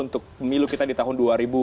untuk pemilu kita di tahun dua ribu dua puluh